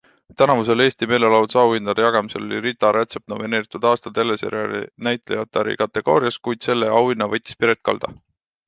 Tänavustel Eesti meelelahutusahindade jagamisel oli Rita Rätsepp nomineeritud aasta teleseriaali näitlejatari kategoorias, kuid selle auhinna võttis Piret Kalda.